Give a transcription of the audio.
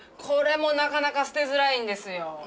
これもなかなか捨てづらいんですよ。